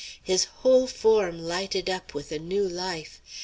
His whole form lighted up with a new life.